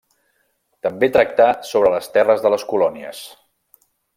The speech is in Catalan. També tractà sobre les terres de les colònies.